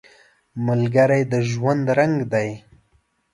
ملګری د ژوند رنګ دی